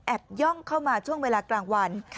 ย่องเข้ามาช่วงเวลากลางวัน